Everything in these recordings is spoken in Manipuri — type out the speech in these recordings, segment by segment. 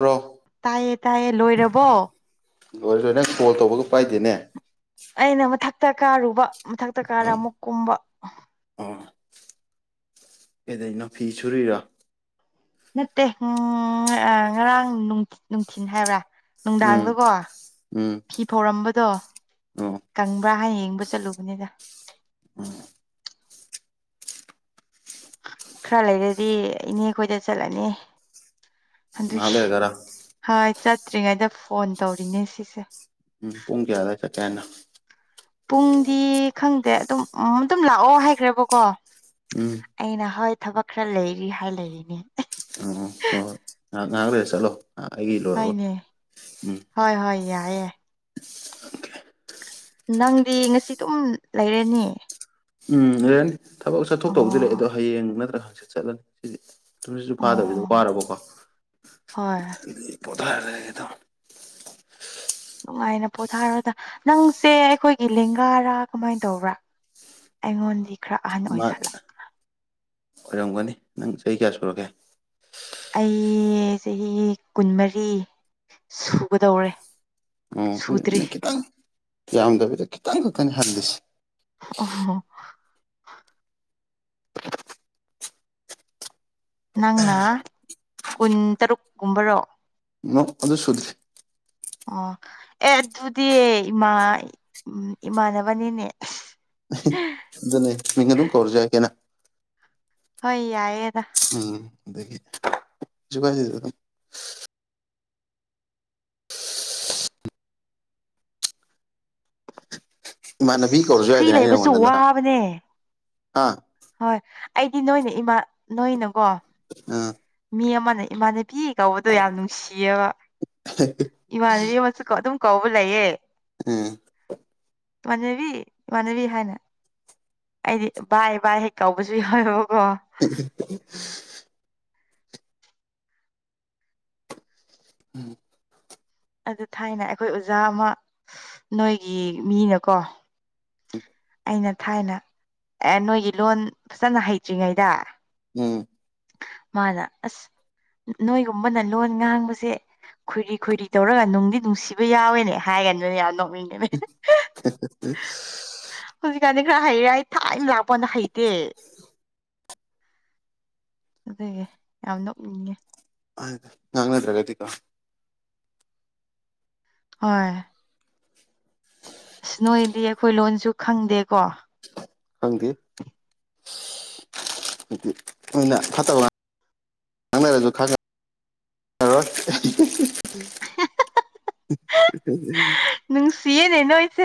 ꯔꯣ ꯇꯥꯏꯌꯦ ꯇꯥꯏꯌꯦ ꯂꯣꯏꯔꯕꯣ ꯂꯣꯏꯔꯦ ꯅꯪ ꯀꯣꯜ ꯇꯧꯕꯒ ꯄꯥꯏꯗꯦꯅꯦ ꯑꯩꯅ ꯃꯊꯛꯇ ꯀꯥꯔꯨꯕ ꯃꯊꯛꯇ ꯀꯥꯔ ꯑꯥ ꯑꯃꯨꯛ ꯀꯨꯝꯕ ꯑꯥ ꯀꯗꯩꯅꯣ ꯐꯤ ꯁꯨꯔꯤꯔꯣ ꯅꯠꯇꯦ ꯉꯥꯔꯥ ꯉꯔꯥꯡ ꯅꯨꯡꯊꯤ ꯅꯨꯡꯊꯤꯟ ꯍꯥꯏꯕ꯭ꯔꯥ ꯎꯝ ꯅꯨꯡꯗꯥꯡꯗꯀꯣ ꯎꯝ ꯐꯤ ꯐꯧꯔꯝꯕꯗꯣ ꯑꯣ ꯀꯪꯕ꯭ꯔꯥ ꯍꯥꯏꯅ ꯌꯦꯡꯕ ꯆꯠꯂꯨꯕꯅꯤꯗ ꯎꯝ ꯈꯔ ꯂꯩꯔꯗꯤ ꯏꯅꯦ ꯈꯣꯏꯗ ꯆꯠꯂꯅꯤ ꯉꯥꯏꯍꯥꯛ ꯑꯗꯨꯒꯤ ꯂꯩꯔꯒꯔꯥ ꯍꯣꯏ ꯆꯠꯇ꯭ꯔꯤꯉꯩꯗ ꯐꯣꯟ ꯇꯧꯔꯤꯅꯦ ꯁꯤꯁꯦ ꯎꯝ ꯄꯨꯡ ꯀꯌꯥ ꯑꯗ꯭ꯋꯥꯏ ꯆꯠꯀꯦ ꯍꯥꯏꯅꯣ ꯄꯨꯡꯗꯤ ꯈꯪꯗꯦ ꯑꯗꯨꯝ ꯎꯝ ꯑꯗꯨꯝ ꯂꯥꯛꯑꯣ ꯍꯥꯏꯈ꯭ꯔꯦꯕꯀꯣ ꯎꯝ ꯑꯩꯅ ꯍꯣꯏ ꯊꯕꯛ ꯈꯔ ꯂꯩꯔꯤ ꯍꯥꯏ ꯂꯩꯔꯤꯅꯦ ꯑꯣ ꯍꯣꯏ ꯍꯣꯏ ꯉꯥꯍꯥꯛ ꯉꯥꯍꯥꯛ ꯂꯩꯔ ꯆꯠꯂꯣ ꯍꯥꯛ ꯑꯩꯒꯤ ꯂꯣꯏꯔꯒ ꯍꯣꯏꯅꯦ ꯎꯝ ꯍꯣꯏ ꯍꯣꯏ ꯌꯥꯏꯌꯦ ꯅꯪꯗꯤ ꯉꯁꯤꯗꯨꯝ ꯂꯩꯔꯥꯅꯤ ꯎꯝ ꯂꯩꯔꯅꯤ ꯊꯕꯛ ꯆꯠꯊꯣꯛꯇꯧꯕꯗꯤ ꯂꯩ ꯑꯣ ꯑꯗꯣ ꯍꯌꯦꯡ ꯅꯠꯇ꯭ꯔꯒ ꯍꯥꯡꯆꯤꯠ ꯆꯠꯂꯅꯤ ꯁꯤꯗꯤ ꯇꯨꯝꯁꯤꯠꯁꯨ ꯐꯥꯗꯕꯤꯗ ꯑꯣ ꯋꯥꯔꯕꯀꯣ ꯍꯣꯏ ꯑꯗꯨꯒꯤ ꯄꯣꯊꯔꯥ ꯂꯩꯔꯒꯦ ꯇꯧꯅꯤ ꯅꯨꯡꯉꯥꯏꯅ ꯄꯣꯊꯥꯔꯣꯗ ꯅꯪꯁꯦ ꯑꯩꯈꯣꯏꯒꯤ ꯂꯦꯡꯒꯥꯔꯥ ꯀꯃꯥꯏꯟ ꯇꯧꯕ꯭ꯔꯥ ꯑꯩꯉꯣꯟꯗꯤ ꯈꯔ ꯑꯍꯟ ꯃꯥ ꯑꯣꯏꯖꯠꯂꯥ ꯑꯣꯏꯔꯝꯒꯅꯤ ꯅꯪ ꯆꯍꯤ ꯀꯌꯥ ꯁꯨꯔꯒꯦ ꯑꯩ ꯆꯍꯤ ꯀꯨꯟꯃꯔꯤ ꯁꯨꯒꯗꯧꯔꯦ ꯑꯣ ꯑꯩ ꯁꯨꯗ꯭ꯔꯤ ꯑꯩꯅ ꯈꯤꯇꯪ ꯌꯥꯝꯗꯕꯤꯗ ꯈꯤꯇꯪ ꯈꯛꯇꯅꯤ ꯍꯜꯂꯤꯁꯦ ꯑꯣꯍꯣ ꯅꯪꯅ ꯀꯨꯟ ꯇꯔꯨꯛꯀꯨꯝꯕꯔꯣ ꯅꯣꯠ ꯑꯗꯨ ꯁꯨꯗ꯭ꯔꯤ ꯑꯣ ꯑꯦ ꯑꯗꯨꯗꯤ ꯏꯃꯥ ꯏꯃꯥꯟꯅꯕꯅꯤꯅꯦ ꯑꯗꯨꯅꯦ ꯃꯤꯡ ꯑꯗꯨꯝ ꯀꯧꯔꯖꯨ qꯌꯥꯢ ꯀꯦꯅ ꯍꯣꯏ ꯌꯥꯏꯌꯦꯗ ꯎꯝ ꯑꯗꯨꯗꯒꯤꯁꯨ ꯀꯥꯏꯁꯤ ꯏꯃꯥꯟꯅꯕꯤ ꯑꯁ ꯀꯧꯔꯁꯨ ꯐ꯭ꯔꯤ ꯌꯥꯏꯗꯅ ꯑ ꯂꯩꯕꯁꯨ ꯅꯉꯣꯟꯗ ꯅꯠꯇ ꯋꯥꯕꯅꯦ ꯑꯥ ꯍꯣꯏ ꯑꯩꯗꯤ ꯅꯣꯏꯅꯦ ꯏꯃꯥ ꯅꯣꯏꯅꯀꯣ ꯎꯝ ꯃꯤ ꯑꯃꯅ ꯏꯃꯥꯟꯅꯕꯤ ꯀꯧꯕꯗꯣ ꯌꯥꯝ ꯅꯨꯡꯁꯤꯌꯦꯕ ꯏꯃꯅꯕꯤ ꯑꯃꯁꯨ ꯑꯗꯨꯝ ꯀꯧꯕ ꯂꯩꯌꯦ ꯎꯝ ꯃꯅꯕꯤ ꯃꯃꯅꯕꯤ ꯍꯥꯏꯅ ꯑꯩꯗꯤ ꯕꯥꯏ ꯕꯥꯏ ꯍꯦꯛ ꯀꯧꯕꯁꯨ ꯌꯥꯎꯋꯦꯕꯀꯣ [inaudible] ꯎꯝ ꯑꯗꯨ ꯊꯥꯏꯅ ꯑꯩꯈꯣꯏ ꯑꯣꯖꯥ ꯑꯃ ꯅꯣꯏꯒꯤ ꯃꯤꯅꯀꯣ ꯎ ꯑꯩꯅ ꯊꯥꯏꯅ ꯑꯦ ꯅꯣꯏꯒꯤ ꯂꯣꯟ ꯐꯖꯅ ꯍꯩꯇ꯭ꯔꯤꯉꯩꯗ ꯎꯝ ꯃꯥꯅ ꯑꯁ ꯅꯣꯏꯒꯨꯝꯕꯅ ꯂꯣꯟ ꯉꯥꯡꯕꯁꯦ ꯈꯣꯏꯔꯤ ꯈꯣꯏꯔꯤ ꯇꯧꯔꯒ ꯅꯨꯡꯗꯤ ꯅꯨꯡꯁꯤꯕ ꯌꯥꯎꯋꯦꯅꯦ ꯍꯥꯏꯒꯅꯅ ꯌꯥꯝ ꯅꯣꯛꯅꯤꯡꯉꯤ [inaudible] ꯍꯧꯖꯤꯛꯀꯥꯟꯗꯤ ꯈꯔ ꯍꯩꯔꯦ ꯑꯩ ꯊꯥꯏꯅ ꯂꯥꯛꯄꯅ ꯍꯩꯇꯦ ꯑꯗꯨꯗꯒꯤ ꯌꯥꯝꯅ ꯅꯣꯛꯅꯤꯡꯉꯦ ꯍꯥꯏꯗ ꯉꯡꯅꯗ꯭ꯔꯥꯒꯤꯀ ꯍꯣꯏ ꯑꯁ ꯅꯣꯏꯗꯤ ꯑꯩꯈꯣꯏ ꯂꯣꯟꯁꯨ ꯈꯪꯗꯦꯀꯣ ꯍꯪꯗꯤ ꯎ [inaudible] ꯐꯠꯇꯕ ꯋꯥ ꯉꯥꯡꯅꯔꯁꯨ ꯈꯪꯉꯥ ꯔꯣꯏ ꯎꯝ ꯎꯝ ꯅꯨꯡꯁꯤꯌꯦꯅꯦ ꯅꯣꯏꯁꯦ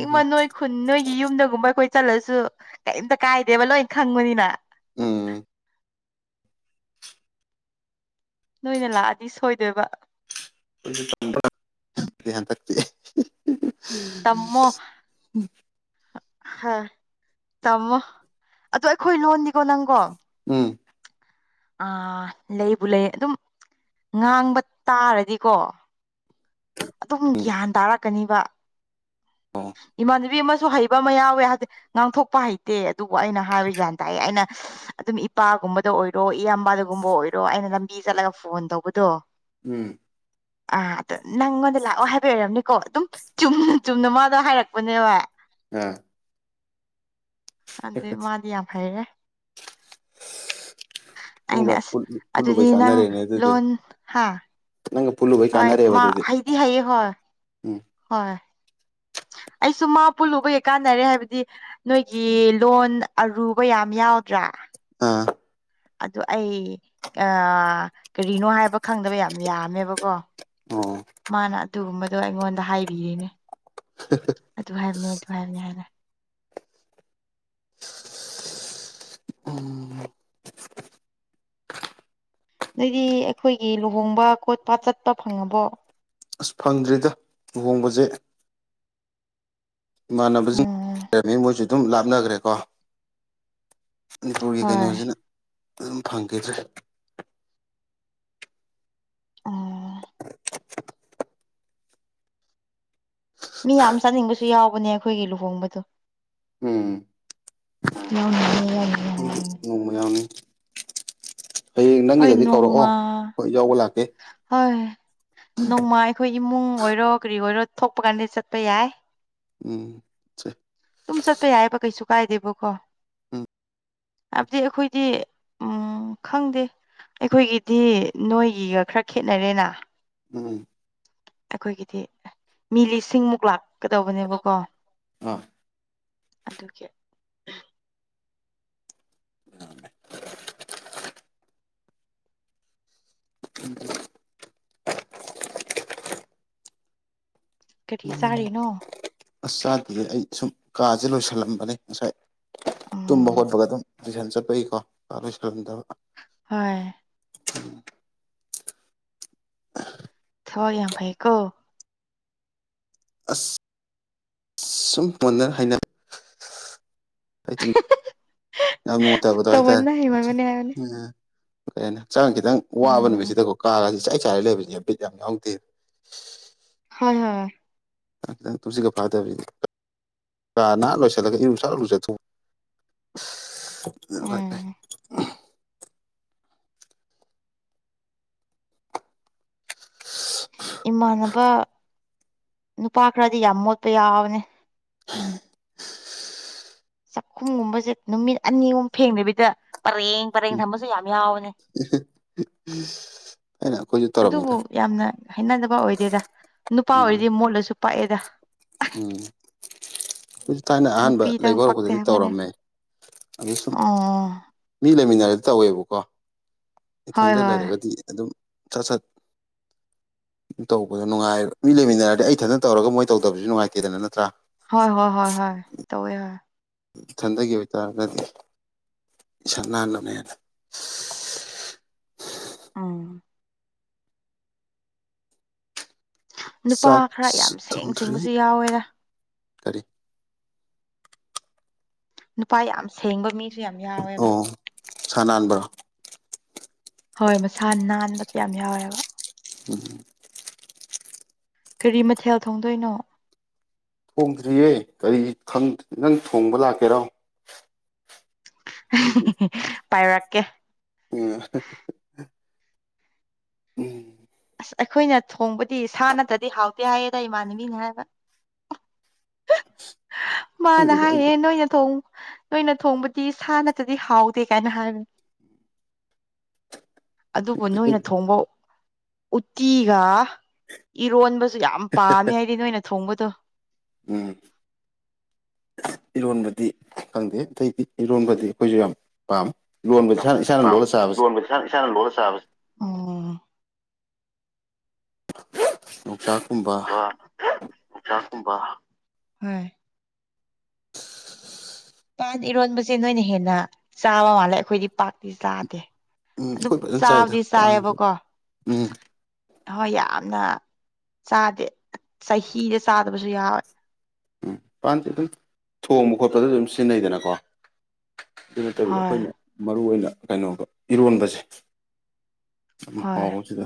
ꯎꯝ ꯅꯣꯏ ꯈꯨꯟ ꯅꯣꯏꯒꯤ ꯌꯨꯝꯗꯒꯨꯝꯕ ꯑꯩꯈꯣꯏ ꯆꯠꯂꯁꯨ ꯀꯩꯝꯇ ꯀꯥꯏꯗꯦꯕ ꯂꯣꯏꯅ ꯈꯪꯕꯅꯤꯅ ꯎꯝ ꯅꯣꯏꯅ ꯂꯥꯛꯑꯗꯤ ꯁꯣꯏꯗꯣꯏꯕ [inaudible] ꯍꯟꯗꯛꯇꯤ ꯇꯝꯃꯣ ꯍ ꯇꯝꯃꯣ ꯑꯗꯣ ꯑꯩꯈꯣꯏ ꯂꯣꯟꯅꯤꯀꯣ ꯅꯪꯒꯣ ꯎꯝ ꯑꯥ ꯂꯩꯕꯨ ꯂꯩ ꯑꯗꯨꯝ ꯉꯥꯡꯕ ꯇꯥꯔꯗꯤꯀꯣ ꯑꯗꯨꯝ ꯒ꯭ꯌꯥꯟ ꯇꯥꯔꯛꯀꯅꯤꯕ ꯑꯣ ꯏꯃꯥꯟꯅꯕꯤ ꯑꯃꯁꯨ ꯍꯩꯕ ꯑꯃ ꯌꯥꯎꯋꯦ ꯍꯥꯏꯗꯤ ꯉꯥꯡꯊꯣꯛꯄ ꯍꯩꯇꯦ ꯑꯗꯨꯕꯨ ꯑꯩꯅ ꯍꯥꯏꯕ ꯖꯟ ꯇꯥꯏ ꯑꯩꯅ ꯑꯗꯨꯝ ꯏꯄꯥꯒꯨꯝꯕꯗ ꯑꯣꯏꯔꯣ ꯏꯌꯥꯝꯕꯗꯒꯨꯝꯕ ꯑꯣꯏꯔꯣ ꯑꯩꯅ ꯂꯝꯕꯤ ꯆꯠꯂꯒ ꯐꯣꯟ ꯇꯧꯕꯗꯣ ꯎꯝ ꯑꯥ ꯑꯗꯣ ꯅꯪꯉꯣꯟꯗ ꯂꯥꯛꯑꯣ ꯍꯥꯏꯕ ꯑꯣꯏꯔꯝꯅꯤꯀꯣ ꯑꯗꯨꯝ ꯆꯨꯝꯅ ꯆꯨꯝꯅ ꯃꯥ ꯗꯣ ꯍꯥꯏꯔꯛꯄꯅꯦꯕ ꯑꯥ ꯍꯟꯗꯤ ꯃꯥꯗꯤ ꯌꯥꯝ ꯍꯩꯔ‌ꯦ [unintelligible] ꯑꯩꯅ ꯅꯪꯒꯥ ꯑꯁ ꯄꯨꯟ ꯑꯗꯨꯗꯤ ꯅꯪ ꯂꯣꯟ ꯍꯥ ꯅꯪꯒ ꯄꯨꯜꯂꯨ ꯍꯣꯏ ꯃꯥ ꯍꯩꯗꯤ ꯍꯩꯌꯦ ꯍꯣꯏ ꯎꯝ ꯍꯣꯏ ꯑꯩꯁꯨ ꯃꯥ ꯄꯨꯜꯂꯨꯕꯩ ꯀꯥꯟꯅꯔꯦ ꯍꯥꯏꯕꯗꯤ ꯅꯣꯏꯒꯤ ꯂꯣꯟ ꯑꯔꯨꯕ ꯌꯥꯝ ꯌꯥꯎꯗ꯭ꯔꯥ ꯑꯥ ꯑꯗꯨ ꯑꯩ ꯑꯥ ꯀꯔꯤꯅꯣ ꯍꯥꯏꯕ ꯈꯪꯗꯕ ꯌꯥꯝ ꯌꯥꯝꯃꯦꯕꯀꯣ ꯑꯣ ꯃꯥꯅ ꯑꯗꯨꯒꯨꯝꯕꯗꯣ ꯑꯩꯉꯣꯟꯗ ꯍꯥꯏꯕꯤꯔꯤꯅꯦ꯫ ꯑꯗꯨ ꯍꯥꯏꯕꯅꯦ ꯑꯗꯨ ꯍꯥꯏꯕꯅꯦ ꯍꯥꯏꯅ꯫ ꯎꯝ ꯅ‌ꯣꯏꯗꯤ ꯑꯩꯈꯣꯏꯒꯤ ꯂꯨꯍꯣꯡꯕ ꯈꯣꯠꯄ ꯆꯠꯄ ꯐꯪꯉꯕꯣ꯫ ꯑꯁ ꯐꯪꯗ꯭ꯔꯤꯗ ꯂꯨꯍꯣꯡꯕꯖ‌ꯦ꯫ ꯏꯃꯥꯟꯅꯕꯁꯤꯡ ꯎꯝ ꯂꯩꯔꯝꯃꯤ ꯃꯣꯏꯁꯨ ꯑꯗꯨꯝ ꯂꯥꯞꯅꯈ꯭ꯔꯦꯀꯣ꯫ ꯃꯅꯤꯄꯨꯔꯒꯤ ꯍꯣꯏ ꯀꯩꯅꯣꯖꯤꯅ ꯑꯗꯨꯝ ꯐꯪꯈꯤꯗ꯭ꯔꯦ꯫ ꯑꯥ ꯃꯤ ꯌꯥꯝ ꯆꯠꯅꯤꯡꯕꯁꯨ ꯌꯥꯎꯕꯅꯦ ꯑꯩꯈꯣꯏꯒꯤ ꯂꯨꯍꯣꯡꯕꯗꯣ꯫ ꯎꯝ꯫ ꯌꯥꯎꯅꯤꯌꯦ [unintelligible] ꯈ‌ꯣꯏꯗꯤ ꯅꯣꯡꯃ ꯌꯥꯝ ꯍꯌꯦꯡ ꯍꯣꯏ ꯅꯪꯒꯤꯗꯗꯤ ꯀꯧꯔꯑꯣ ꯅꯣꯡꯃ ꯍꯣꯏ ꯌꯥꯎꯕ ꯂꯥꯛ꯫ ꯍꯣꯏ ꯅꯣꯡꯃꯥꯏ ꯑꯩꯈꯣꯏ ꯏꯃꯨꯡ ꯑꯣꯏꯔꯣ ꯀꯔꯤ ꯑꯣꯏꯔꯣ ꯊꯣꯛꯄ ꯀꯥꯟꯗꯤ ꯆꯠꯄ ꯌꯥꯏ꯫ ꯎꯝ꯫ ꯗꯨꯝ ꯆꯠꯄ ꯌꯥꯏꯕ ꯀꯩꯁꯨ ꯀꯥꯏꯗꯦꯕꯀꯣ꯫ ꯎꯝ ꯍꯥꯏꯕꯗꯤ ꯑꯩꯈꯣꯏꯗꯤ ꯎꯝ ꯈꯪꯗꯦ꯫ ꯑꯩꯈꯣꯏꯒꯤꯗꯤ ꯅꯣꯏꯒꯤꯒ ꯈꯔ ꯈꯦꯠꯅꯔꯦꯅꯥ ꯎꯝ꯫ ꯑꯩꯈꯣꯏꯒꯤꯗꯤ ꯃꯤ ꯂꯤꯁꯤꯡꯃꯨꯛ ꯂꯥꯛꯀꯗꯧꯕꯅꯦꯕꯀꯣ꯫ ꯑꯥ ꯑꯗꯨꯒꯤ꯫ ꯀꯔꯤ ꯎꯝ ꯆꯥꯔꯤꯅꯣ꯫ ꯑꯁ ꯆꯥꯗꯤꯌꯦ ꯑꯩ ꯁꯨꯝ ꯀꯥꯁꯦ ꯂꯣꯏꯁꯜꯂꯝꯕꯅꯦ ꯉꯁꯥꯏ ꯇꯨꯝꯕ ꯎꯝ ꯍꯧꯒꯠꯄꯒ ꯗꯨꯝ꯫ ꯇꯨꯏꯁꯟ ꯆꯠꯄꯩꯀꯣ ꯀꯥ ꯂꯣꯏꯁꯜꯂꯝꯗꯕ꯫ ꯍꯣꯏ꯫ ꯊꯕꯛ ꯌꯥꯝ ꯐꯩꯀꯣ꯫ ꯑꯁ ꯁꯨꯝ ꯄꯨꯟꯅ ꯍꯩꯅ ꯑꯩ ꯇꯨꯝ ꯌꯥꯝ ꯁꯨꯝ ꯅꯨꯡꯉꯥꯏꯇꯕꯗꯣ ꯍꯥꯏꯇꯥꯏ ꯇꯧꯃꯟꯅ ꯍꯩꯃꯟꯕꯅꯦ ꯍꯥꯏꯕꯅꯦ ꯑꯥ ꯀꯩ ꯍꯥꯏꯅꯤ ꯍꯛꯆꯥꯡ ꯈꯤꯇꯪ ꯋꯥꯕ ꯎꯝ ꯅꯨꯃꯤꯠꯁꯤꯗꯀꯣ ꯀꯥꯒꯁꯦ ꯏꯆꯥꯏ ꯆꯥꯏꯔ ꯂꯩꯕꯁꯤꯅꯦ ꯕꯤꯠ ꯌꯥꯝ ꯌꯥꯎꯗꯦ ꯍꯣꯏ ꯍꯣꯏ꯫ ꯈꯤꯇꯪ ꯈꯤꯇꯪ ꯇꯨꯝꯁꯤꯠꯀ ꯐꯥꯔꯛꯇꯕꯁꯤꯗꯤ ꯀꯥ ꯅꯥꯟꯅ ꯂꯣꯏꯁꯤꯜꯂꯒ ꯏꯔꯨ ꯁꯠ ꯂꯨꯖꯊꯣꯛ [unintelligible] ꯑꯗꯨꯟ ꯈ꯭ꯋꯥꯏ ꯎꯝ ꯐꯩ ꯏꯃꯥꯟꯅꯕ ꯅꯨꯄꯥ ꯈꯔꯗꯤ ꯌꯥꯝ ꯃꯣꯠꯄ ꯌꯥꯎꯕꯅꯦ꯫ [unintelligible] ꯆꯥꯛꯈꯨꯝꯒꯨꯝꯕꯁꯦ ꯅꯨꯃꯤꯠ ꯑꯅꯤ ꯑꯍꯨꯝ ꯐꯦꯡꯗꯕꯤꯗ ꯄꯔꯦꯡ ꯄꯔꯦꯡ ꯊꯝꯕꯁꯨ ꯌꯥꯝ ꯌꯥꯎꯕꯅꯦ꯫ ꯊꯥꯏꯅ ꯑꯩꯈꯣꯏꯁꯨ ꯇꯧꯔꯝꯃꯤꯗ꯫ ꯑꯗꯨꯕꯨ ꯌꯥꯝꯅ ꯍꯥꯏꯩꯅꯗꯕ ꯑꯣꯏꯗꯦꯗ ꯅꯨꯄꯥ ꯎꯝ ꯑꯣꯏꯔꯗꯤ ꯃꯣꯠꯂꯁꯨ ꯄꯥꯛꯑꯦꯗ꯫ ꯎꯝ꯫ ꯑꯩꯈꯣꯏꯁꯨ ꯊꯥꯏꯅ ꯑꯍꯥꯟꯕ ꯅꯨꯄꯤꯗꯪ ꯂꯩꯕ ꯄꯛꯇꯦ ꯍꯧꯔꯛꯄꯗꯗꯤ ꯍꯥꯏꯕꯅꯦ ꯇꯧꯔꯝꯃꯦ ꯑꯗꯨ ꯁꯨꯝ ꯑꯣ ꯃꯤ ꯂꯩꯃꯤꯟꯅꯔꯗꯤ ꯇꯧꯋꯦꯕꯀꯣ ꯍꯣꯏ ꯏꯊꯟꯗ ꯍꯣꯏ ꯂꯩꯔꯒꯗꯤ ꯑꯗꯨꯝ꯫ ꯁꯠ ꯁꯠ꯫ ꯇꯧꯕꯗꯣ ꯅꯨꯡꯥꯏ ꯃꯤ ꯂꯩꯃꯤꯟꯅꯔꯗꯤ ꯑꯩ ꯏꯊꯟꯗꯅ ꯇꯧꯔꯒ ꯃꯣꯏ ꯇꯧꯗꯕꯁꯨ ꯅꯨꯡꯉꯥꯏꯇꯦꯗꯅ ꯅꯠꯇ꯭ꯔꯥ꯫ ꯍꯣꯏ ꯍꯣꯏ ꯍꯣꯏ ꯍꯣꯏ ꯇꯧꯋꯦ ꯍꯣꯏ꯫ ꯏꯊꯟꯒꯤ ꯑꯣꯏꯇꯥꯔꯒꯗꯤ ꯏꯁꯥ ꯅꯥꯟꯅꯕꯅꯦꯅ꯫ ꯎꯝ꯫ ꯅꯨꯄꯥ ꯆꯥꯛ ꯈꯔ ꯌꯥꯝ ꯁꯦꯡ ꯊꯣꯡꯗ꯭ꯔꯤ ꯁꯦꯡꯕꯁꯨ ꯌꯥꯎꯋꯦꯗ ꯀꯔꯤ꯫ ꯅꯨꯄꯥ ꯌꯥꯝ ꯁꯦꯡꯕ ꯃꯤꯁꯨ ꯌꯥꯝ ꯌꯥꯎꯋꯦꯕ꯫ ꯃꯁꯥ ꯅꯥꯟꯕ꯭ꯔꯣ꯫ ꯍꯣꯏ ꯃꯁꯥ ꯅꯥꯟꯕꯗꯣ ꯌꯥꯝ ꯌꯥꯎꯋꯦꯕ꯫ ꯎꯝ꯫ ꯀꯔꯤ ꯃꯊꯦꯜ ꯊꯣꯡꯗꯣꯏꯅꯣ꯫ ꯊꯣꯡꯗ꯭ꯔꯤꯌꯦ ꯀꯔꯤ ꯈꯪ ꯅꯪ ꯊꯣꯡꯕ ꯂꯥꯛꯀꯦꯔꯣ꯫ ꯄꯥꯏꯔꯛꯀꯦ꯫ ꯑ꯫ ꯎꯝ꯫ ꯑꯁ ꯑꯩꯈꯣꯏꯅ ꯊꯣꯡꯕꯗꯤ ꯁꯥ ꯅꯠꯇ꯭ꯔꯗꯤ ꯍꯥꯎꯇꯦ ꯍꯥꯏꯌꯦꯗ ꯏꯃꯥꯟꯅꯕꯤꯅ ꯍꯥꯏꯕ꯫ ꯃꯥꯅ ꯈꯪꯗꯦꯗ ꯑꯩꯗꯤ ꯍꯥꯏꯅꯦ ꯅꯣꯏꯅ ꯊꯣꯡ ꯅꯣꯏꯅ ꯊꯣꯡꯕꯗꯤ ꯁꯥ ꯅꯠꯇ꯭ꯔꯗꯤ ꯍꯥꯎꯇꯦ ꯀꯥꯏꯅ ꯍꯥꯏꯕꯅꯦ꯫ ꯑꯗꯨꯕꯨ ꯑꯩ ꯅꯣꯏꯅ ꯊꯣꯡꯕ ꯎꯠꯇꯤꯒ ꯏꯔꯣꯟꯕꯁꯨ ꯌꯥꯝ ꯄꯥꯝꯃꯦ ꯍꯥꯏꯗꯤ ꯅꯣꯏꯅ ꯊꯣꯡꯕꯗꯣ꯫ ꯎꯝ꯫ ꯏꯔꯣꯟꯕꯗꯤ ꯈꯪꯗꯦ ꯑꯇꯩꯗꯤ ꯏꯔꯣꯟꯕꯗꯤ ꯑꯩꯈꯣꯏꯁꯨ ꯌꯥꯝ ꯄꯥꯝ ꯂꯣꯟꯕ ꯌꯥꯝ ꯏꯁꯥ ꯏꯁꯥꯅ ꯄꯥꯝ ꯂꯣꯜꯂ ꯆꯥꯕꯁꯦ꯫ ꯂꯣꯟꯕ ꯏꯁꯥꯅ ꯏꯁꯥꯅ ꯂꯣꯜꯂ ꯆꯥꯕꯁꯦ ꯎꯝ꯫ ꯌꯣꯡꯆꯥꯛꯀꯨꯝꯕ ꯌꯣꯡꯆꯥꯛꯀꯨꯝꯕ ꯍꯣꯏ꯫ ꯄꯥꯟ ꯏꯔꯣꯟꯕꯁꯦ ꯅꯣꯏꯅ ꯍꯦꯟꯅ ꯆꯥꯕ ꯃꯥꯜꯂꯦ ꯑꯩꯈꯣꯏꯗꯤ ꯄꯥꯛꯇꯤ ꯆꯥꯗꯦ꯫ ꯎꯝ ꯑꯗꯨꯝ ꯑꯩꯈꯣꯏ ꯐꯖꯅ ꯆꯥꯏꯗ ꯆꯥꯕꯗꯤ ꯄꯥꯟꯁꯦ ꯆꯥꯏꯌꯦꯕꯀꯣ꯫ ꯎꯝ ꯍꯣꯏ ꯌꯥꯝꯅ ꯆꯥꯗꯦ ꯆꯍꯤꯗ ꯆꯥꯗꯕꯁꯨ ꯌꯥꯎꯋꯦ꯫ ꯎꯝ ꯄꯥꯟꯗꯤ ꯑꯗꯨꯝ ꯊꯣꯡꯕ ꯈꯣꯠꯄꯗ ꯑꯗꯨꯝ ꯁꯤꯖꯤꯟꯅꯩꯗꯅꯀꯣ꯫ ꯑꯗꯨꯅꯦ ꯇꯧꯏꯗꯣ ꯍꯣꯏ ꯑꯩꯈꯣꯏꯅ ꯃꯔꯨ ꯑꯣꯏꯅ ꯀꯩꯅꯣꯒ ꯏꯔꯣꯟꯕꯁꯦ ꯌꯥꯝ ꯍꯣꯏ ꯍꯥꯎꯕꯁꯤꯗ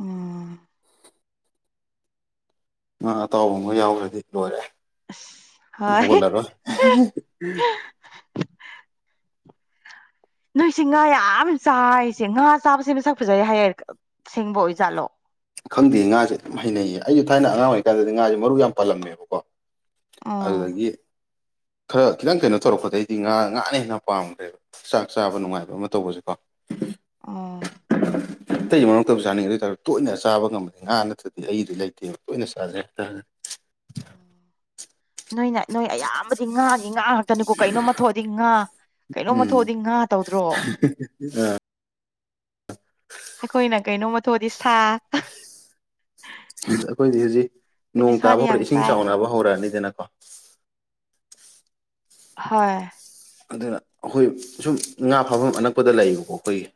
ꯑ꯫ ꯉꯥ ꯑꯇꯥꯎꯕ ꯑꯃꯒ ꯌꯥꯎꯈ꯭ꯔꯗꯤ ꯂꯣꯏꯔꯦ ꯑꯁ ꯑꯗꯨꯝ ꯍꯣꯏ ꯍꯧꯒꯠꯂꯔꯣꯏ꯫ ꯅꯣꯏꯁꯤ ꯉꯥ ꯌꯥꯝ ꯆꯥꯏꯁꯦ ꯉꯥ ꯆꯥꯕꯁꯦ ꯃꯁꯛ ꯐꯖꯩ ꯍꯥꯏꯌꯦ ꯑꯁꯦꯡꯕ ꯑꯣꯏꯖꯥꯠꯂꯣ꯫ ꯈꯪꯗꯦ ꯉꯥꯁꯦ ꯑꯗꯨꯝ ꯍꯩꯅꯩꯌꯦ ꯑꯩꯁꯨ ꯊꯥꯏꯅ ꯑꯉꯥꯡ ꯑꯣꯏꯔꯤꯀꯥꯟꯗꯗꯤ ꯉꯥꯁꯦ ꯃꯔꯨ ꯌꯥꯝ ꯄꯜꯂꯝꯃꯦꯕꯀꯣ꯫ ꯎꯝ ꯑꯗꯨꯗꯒꯤ ꯈꯔ ꯈꯤꯇꯪ ꯀꯩꯅꯣ ꯇꯧꯔꯛꯄꯗꯩꯗꯤ ꯉꯥ ꯉꯥꯅ ꯍꯦꯟꯅ ꯄꯥꯝꯈ꯭ꯔꯦꯕ꯫ ꯆꯥꯛ ꯆꯥꯕ ꯅꯨꯡꯉꯥꯏꯕ ꯑꯃ ꯇꯧꯕꯖꯦꯀꯣ ꯑꯣꯥ ꯑꯇꯩ ꯃꯔꯛ ꯃꯔꯛ ꯇꯧꯖꯠꯅꯤ ꯑꯗꯨ ꯑꯣꯏꯇꯥꯔ ꯇꯣꯏꯅ ꯆ ꯆꯥꯕ ꯉꯝꯝꯕꯗꯤ ꯉꯥ ꯅꯠꯇ꯭ꯔꯗꯤ ꯑꯩꯒꯤꯗꯤ ꯂꯩꯇꯦꯕ ꯇꯣꯏꯅ ꯆꯥꯗ꯭ꯔꯦ [unintelligible] ꯅꯣꯏꯅ ꯅꯣꯏ ꯑꯌꯥꯝꯕꯗꯤ ꯉꯥꯒꯤ ꯉꯥ ꯉꯥꯛꯇꯅꯤꯀꯣ ꯀꯩꯅꯣꯝꯃ ꯊꯣꯛꯑꯗꯤ ꯉꯥ ꯀꯩꯅꯣꯃ ꯎꯝ ꯊꯣꯛꯑꯗꯤ ꯉꯥ ꯇꯧꯗ꯭ꯔꯣ ꯑꯩꯈꯣꯏꯅ ꯀꯩꯅꯣꯝꯃ ꯊꯣꯛꯑꯗꯤ ꯁꯥ ꯑꯩꯈꯣꯏꯗꯤ ꯍꯧꯖꯤꯛ ꯑꯩꯈꯣꯏꯗꯤ ꯅꯣꯡ ꯇꯥꯕ ꯁꯥꯗꯤ ꯌꯥꯝ ꯍꯧꯔꯛꯑꯦ ꯏꯁꯤꯡ ꯆꯥꯏ ꯆꯥꯎꯅꯕ ꯍꯧꯔꯛꯑꯅꯤꯗꯅꯀꯣ ꯍꯣꯏ ꯑꯗꯨꯅ ꯑꯈꯣꯏ ꯁꯨꯝ ꯉꯥ ꯐꯥꯐꯝ ꯑꯅꯛꯄꯗ ꯂꯩꯌꯦꯕꯀꯣ ꯑꯩꯈꯣꯏꯒꯤ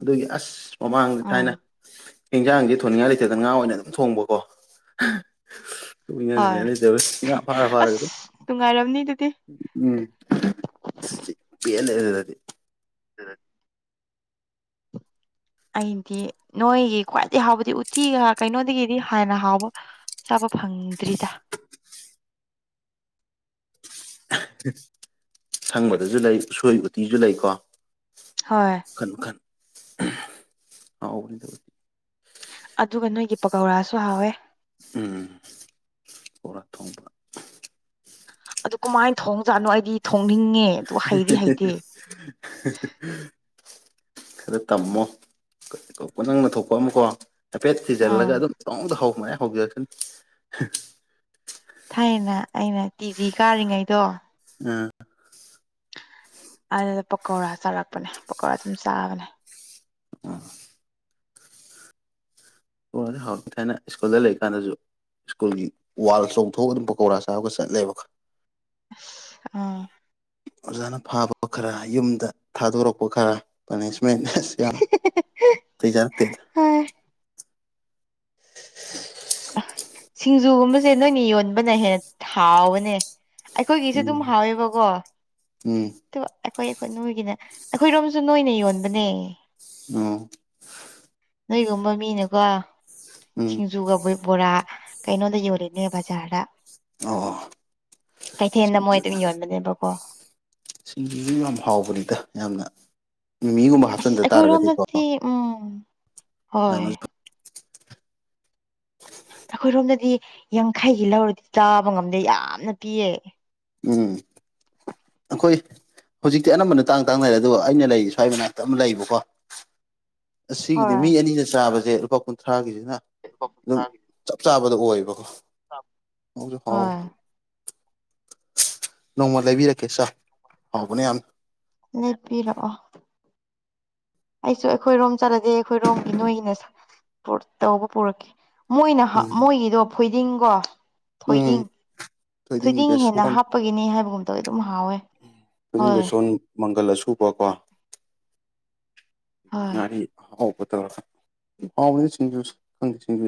ꯑꯗꯨꯒꯤ ꯑꯁ ꯃꯃꯥꯡꯗ ꯑꯥ ꯊꯥꯏꯅ ꯏꯟꯖꯥꯡꯖꯦ ꯊꯣꯡꯅꯤꯡꯉꯥꯏ ꯂꯩꯇꯗ ꯉꯥ ꯑꯣꯏꯅ ꯑꯗꯨꯝ ꯊꯣꯡꯕꯀꯣ ꯇꯣꯏꯅ ꯍꯣꯏ ꯂꯩꯕ ꯂꯩꯇꯕ ꯉꯥ ꯐꯥꯔ ꯐꯥꯔꯒ ꯑꯁ ꯑꯗꯨꯝ ꯅꯨꯡꯉꯥꯏꯔꯝꯅꯤ ꯑꯗꯨꯗꯤ ꯎꯝ ꯁꯤ ꯄꯦꯟꯂꯦ ꯑꯗꯨꯗꯗꯤ [unintelligible] ꯑꯩꯗꯤ ꯅꯣꯏꯒꯤ ꯈ꯭ꯋꯥꯏꯗꯩ ꯍꯥꯎꯕꯗꯤ ꯎꯠꯇꯤꯒ ꯀꯩꯅꯣꯗꯒꯤꯗꯤ ꯍꯦꯟꯅ ꯍꯥꯎꯕ ꯆꯥꯕ ꯐꯪꯗ꯭ꯔꯤꯗ ꯁꯪꯕꯗꯖꯨ ꯂꯩ ꯎꯁꯣꯏ ꯎꯇꯤꯖꯨ ꯂꯩꯀꯣ ꯍꯣꯏ ꯃꯈꯟ ꯃꯈꯟ ꯍꯥꯎꯕꯅꯤꯗ ꯑꯗꯨꯒ ꯅꯣꯏꯒꯤ ꯄꯀꯧꯔꯥꯁꯨ ꯍꯥꯎꯋꯦ ꯎꯝ ꯕꯣꯔꯥ ꯊꯣꯡꯕ ꯑꯗꯨ ꯀꯃꯥꯏ ꯊꯣꯡꯖꯥꯠꯅꯣ ꯑꯩꯗꯤ ꯊꯣꯡꯅꯤꯡꯉꯦ ꯑꯗꯨ ꯍꯩꯗꯤ ꯍꯩꯇꯦ [unintelligible] ꯈꯔ ꯇꯝꯃꯣ ꯀ ꯀꯣ ꯅꯪꯅ ꯊꯣꯛꯄ ꯑꯃꯀꯣ ꯍꯥꯏꯐꯦꯠ ꯊꯤꯖꯤꯜꯂꯒ ꯑꯥ ꯑꯗꯨꯝ ꯄꯧꯍꯧꯗ ꯍꯧ ꯃꯥꯏ ꯍꯧꯖꯔꯛꯁꯅꯤ ꯊꯥꯏꯅ ꯑꯩꯅ ꯇꯤ ꯖꯤ ꯀꯥꯔꯤꯉꯩꯗꯣ ꯑ [inaudible] ꯑꯗꯨꯗ ꯄꯀꯧꯔꯥ ꯆꯥꯔꯛꯄꯅꯦ ꯄꯀꯧꯔꯥ ꯑꯗꯨꯝ ꯆꯥꯕꯅꯦ [unintelligible] ꯄꯀꯧꯔꯗꯤ ꯍꯥꯎꯋꯦ ꯊꯥꯏꯅ ꯁ꯭ꯀꯨꯜꯗ ꯂꯩ ꯀꯥꯟꯗꯖꯨ ꯁ꯭ꯀꯨꯜꯒꯤ ꯋꯥꯜ ꯆꯣꯡꯊꯣꯛꯑꯒ ꯑꯗꯨꯝ ꯄꯀꯧꯔꯥ ꯆꯥꯕꯒ ꯆꯠꯂꯦꯕ ꯈ ꯑꯥ ꯑꯣꯖꯥꯅ ꯐꯥꯕ ꯈꯔ ꯌꯨꯝꯗ ꯊꯥꯗꯣꯔꯛꯄ ꯈꯔ ꯄꯅꯤꯁꯃꯦꯟ ꯑꯁ ꯌꯥꯝ ꯅꯇꯩ ꯆꯔꯛꯇꯦꯗ ꯍꯥꯏ ꯑꯥ ꯁꯤꯡꯖꯨꯒꯨꯝꯕꯖꯦ ꯅꯣꯏꯅ ꯌꯣꯟꯕꯅ ꯍꯦꯟꯅ ꯍꯥꯎꯕꯅꯦ ꯑꯩꯈꯣꯏꯒꯤꯁꯨ ꯗꯨꯝ ꯎꯝ ꯍꯥꯎꯋꯦꯕꯀꯣ ꯎꯝ ꯑꯗꯨ ꯑꯩꯈꯣꯏ ꯑꯩꯈꯣꯏ ꯅꯣꯏꯒꯤꯅ ꯑꯈꯣꯏꯔꯣꯝꯁꯨ ꯅꯣꯏꯅ ꯌꯣꯟꯕꯅꯦ ꯑꯣ ꯅꯣꯏꯒꯨꯝꯕ ꯃꯤꯅꯀꯣ ꯎꯝ ꯁꯤꯡꯖꯨꯒ ꯕꯨꯏ ꯕꯣꯔꯥ ꯀꯩꯅꯣꯗ ꯌꯣꯜꯂꯤꯅꯦ ꯕꯖꯥꯔꯗ ꯑꯣ ꯀꯩꯊꯦꯜꯗ ꯃꯣꯏ ꯑꯗꯨꯝ ꯌꯣꯟꯕꯅꯦꯕꯀꯣ ꯁꯤꯡꯖꯁꯨ ꯌꯥꯝ ꯍꯥꯎꯕꯅꯤꯗ ꯌꯥꯝꯅ ꯃꯤ ꯃꯤꯒꯨꯝꯕ ꯑꯁ ꯑꯩꯈꯣꯏꯔꯣꯝꯗꯗꯤ ꯎꯝ ꯍꯣꯏ ꯌꯥꯝꯅꯁꯨ ꯑꯩꯈꯣꯏꯔꯣꯝꯗꯗꯤ ꯌꯥꯡꯈꯩꯒꯤ ꯂꯧꯔꯗꯤ ꯆꯥꯕ ꯉꯝꯗꯦ ꯌꯥꯝꯅ ꯄꯤꯌꯦ ꯎꯝ ꯑꯩꯈꯣꯏ ꯍꯧꯖꯤꯛꯇꯤ ꯑꯅꯝꯕꯅ ꯇꯥꯡ ꯇꯥꯡꯅꯔꯦ ꯑꯗꯣ ꯑꯩꯅ ꯂꯩ ꯁ꯭ꯋꯥꯏ ꯃꯅꯥꯛꯇ ꯑꯃ ꯂꯩꯌꯦꯕꯀꯣ ꯑꯁꯤꯒꯤꯗꯤ ꯍꯣꯏ ꯃꯤ ꯑꯅꯤꯅ ꯆꯥꯕꯁꯦ ꯂꯨꯄꯥ ꯀꯨꯟꯊ꯭ꯔꯥꯒꯤꯁꯤꯅ ꯑꯗꯨꯝ ꯆꯞ ꯆꯥꯕꯗ ꯑꯣꯏꯌꯦꯕꯀꯣ ꯍꯧꯁꯨ ꯍꯥꯎꯕ ꯍꯣꯏ ꯅꯣꯡꯃ ꯂꯩꯕꯤꯔꯛꯀꯦ ꯁꯥ ꯍꯥꯎꯕꯅꯦ ꯌꯥꯝ ꯅꯦꯞꯄꯤꯔꯛꯑꯣ ꯑꯩꯁꯨ ꯑꯩꯈꯣꯏꯔꯣꯝ ꯆꯠꯂꯗꯤ ꯑꯩꯈꯣꯏꯔꯣꯝꯒꯤ ꯅꯣꯏꯒꯤꯅ ꯁꯥ ꯇꯧꯕ ꯄꯨꯔꯛꯀꯦ ꯃꯣꯏꯅ ꯍꯥ ꯎꯝ ꯃꯣꯏꯒꯤꯗꯣ ꯐꯣꯏꯗꯤꯡꯀꯣ ꯎꯝ ꯐꯣꯏꯗꯤꯡ ꯊꯣꯏꯗꯤꯡ ꯍꯦꯟꯅ ꯍꯥꯞꯄꯒꯤꯅꯤ ꯍꯥꯏꯕꯒꯨꯝꯇ ꯑꯗꯨꯝ ꯍꯥꯎꯋꯦ ꯊꯣꯏꯗꯤꯡ ꯍꯣꯏ ꯕꯦꯁꯣꯟ ꯃꯪꯒꯜ ꯑꯁꯨꯕꯀꯣ ꯍꯣꯏ ꯉꯥꯔꯤ ꯍꯥꯎꯕꯗꯣ ꯍꯥꯎꯅꯦ ꯁꯤꯡꯖꯨ [unintelligible]